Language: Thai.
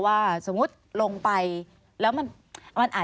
สวัสดีค่ะที่จอมฝันครับ